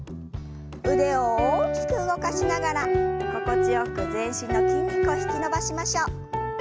腕を大きく動かしながら心地よく全身の筋肉を引き伸ばしましょう。